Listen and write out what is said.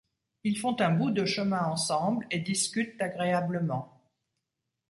Ils font un bout de chemin ensemble et discutent agréablement.